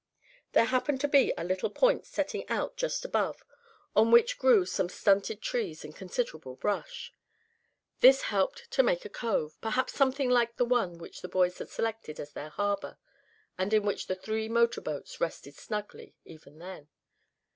There happened to be a little point setting out just above, on which grew some stunted trees and considerable brush. This helped to make a cove, perhaps something like the one which the boys had selected as their harbor, and in which the three motor boats rested snugly even then.